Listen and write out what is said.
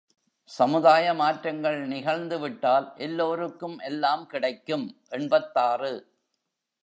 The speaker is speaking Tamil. சமுதாய மாற்றங்கள் நிகழ்ந்துவிட்டால் எல்லோருக்கும் எல்லாம் கிடைக்கும்! எண்பத்தாறு.